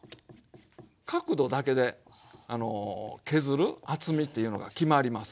角度だけであの削る厚みっていうのが決まります。